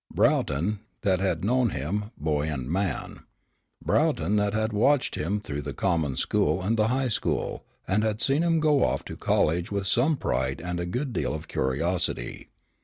Broughton, that had known him, boy and man. Broughton that had watched him through the common school and the high school, and had seen him go off to college with some pride and a good deal of curiosity.